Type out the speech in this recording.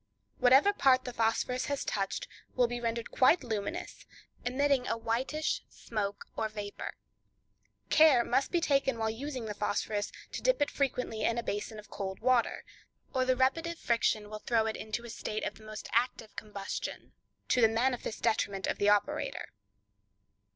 Whatever part the phosphorus has touched will be rendered quite luminous, emitting a whitish smoke or vapor. Care must be taken while using the phosphorus, to dip it frequently in a basin of cold water, or the repeative friction will throw it into a state of the most active combustion, to the manifest detriment of the operator.